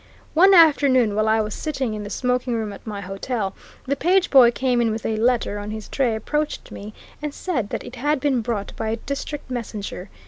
One afternoon, while I was sitting in the smoking room at my hotel, the page boy came in with a letter on his tray, approached me, and said that it had been brought by a district messenger.